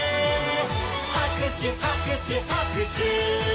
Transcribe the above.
「はくしゅはくしゅはくしゅ」